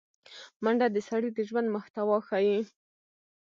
منډه د سړي د ژوند محتوا ښيي